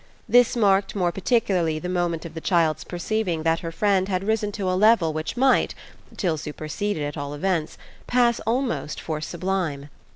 This marked more particularly the moment of the child's perceiving that her friend had risen to a level which might till superseded at all events pass almost for sublime.